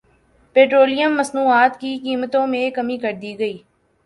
petroleum مصنوعات کی قیمتوں میں کمی کردی گئی